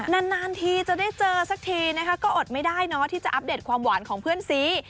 นานทีจะได้เจอสักทีนะคะก็อดไม่ได้เนาะที่จะอัปเดตความหวานของเพื่อนซี